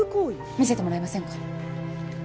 見せてもらえませんか？